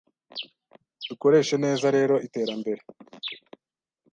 Dukoreshe neza rero iterambere